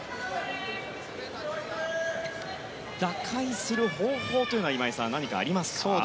打開する方法は今井さん、何かありますか？